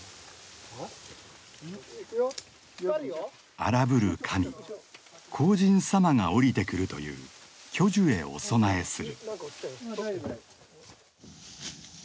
荒ぶる神荒神様が降りてくるという巨樹へお供えする。